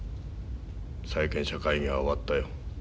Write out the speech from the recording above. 債権者会議は終わったよ。